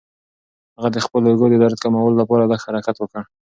هغه د خپلو اوږو د درد د کمولو لپاره لږ حرکت وکړ.